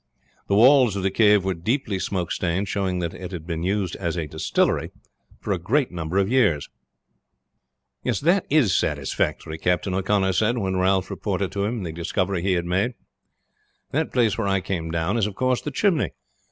The walls of the cave were deeply smoke stained, showing that it had been used as a distillery for a great number of years. "That is satisfactory," Captain O'Connor said when Ralph reported to him the discovery he had made. "That place where I came down is of course the chimney.